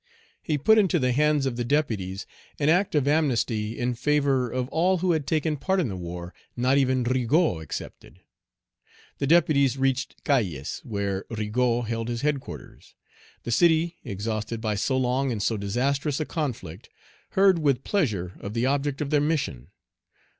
He put into the hands of the deputies an act of amnesty in favor of all who had taken part in the war, not even Rigaud excepted. The deputies reached Cayes, where Rigaud held his headquarters. The city, exhausted by so long and so disastrous a conflict, heard with pleasure of the object of their mission.